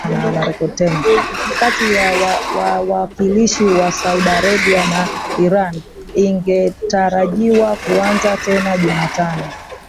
kati ya wawakilishi wa Saudi Arabia na Iran ingetarajiwa kuanza tena Jumatano